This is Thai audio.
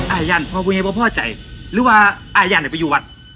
อายานพ่อพูดไงเพราะพ่อใจหรือว่าอายานจะไปอยู่วัด